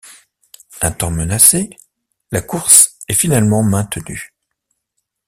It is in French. Un temps menacée, la course est finalement maintenue.